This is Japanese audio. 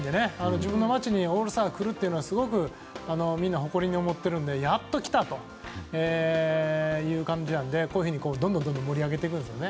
自分の街にオールスターが来るというのはすごく誇りに思っているのでやっと来たという感じなのでどんどん盛り上げていくんですね。